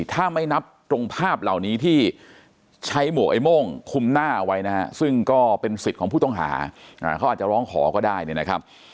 ถ้าไม่นับตรงภาพเหล่านี้ที่ใช้หมวกไอ้โม่งคุมหน้าเอาไว้นะฮะซึ่งก็เป็นสิทธิ์ของผู้ต้องหาเขาอาจจะร้องขอก็ได้เนี่ยนะครับ